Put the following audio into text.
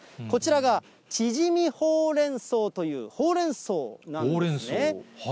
こちらがちぢみほうれん草という、ほうれん草なんですね。